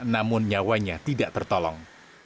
namun nyawanya tidak tertolong